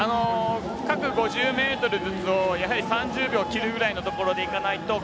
各５０ｍずつを３０秒を切るくらいで行かないと。